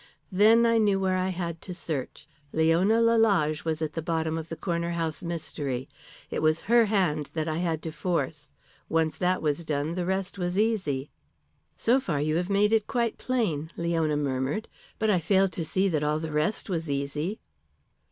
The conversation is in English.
Then I knew where I had to search. Leona Lalage was at the bottom of the Corner House mystery. It was her hand that I had to force. Once that was done the rest was easy." "So far you have made it quite plain," Leona murmured, "but I fail to see that all the rest was easy."